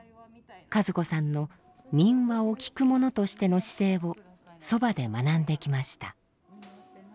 和子さんの民話を「きく者」としての姿勢をそばで学んできました。